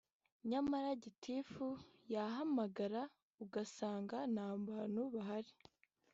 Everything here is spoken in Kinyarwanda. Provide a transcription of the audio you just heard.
nyamara gitifu yahamagara ugasanga nta bantu bahari